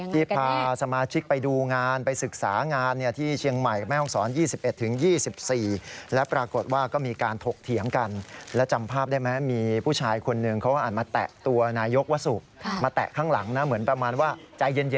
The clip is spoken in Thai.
ที่พาสมาชิกไปดูงานไปศึกษางานที่เชียงใหม่กับแม่ห้องศร๒๑๒๔แล้วปรากฏว่าก็มีการถกเถียงกันและจำภาพได้ไหมมีผู้ชายคนหนึ่งเขาอาจมาแตะตัวนายกวสุมาแตะข้างหลังนะเหมือนประมาณว่าใจเย็น